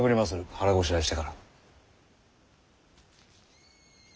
腹ごしらえしてから。